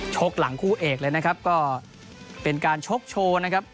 หลังคู่เอกเลยนะครับก็เป็นการชกโชว์นะครับ